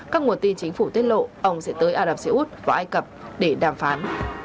các nguồn tin chính phủ tiết lộ ông sẽ tới ả rập xê út và ai cập để đàm phán